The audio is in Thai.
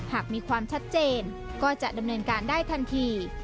หากมีความชัดเจนก็จะดำเนินการได้ทันที